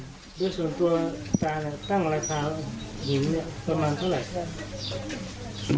โดยส่วนตัวการตั้งราคาหิวเนี่ยประมาณเท่าไหร่ครับ